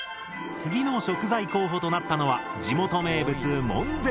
次の食材候補となったのは地元名物門前そば。